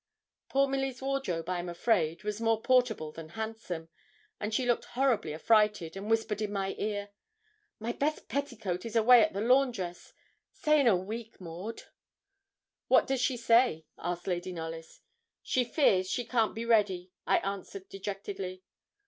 Poor Milly's wardrobe, I am afraid, was more portable than handsome; and she looked horribly affrighted, and whispered in my ear 'My best petticoat is away at the laundress; say in a week, Maud.' 'What does she say?' asked Lady Knollys. 'She fears she can't be ready,' I answered, dejectedly.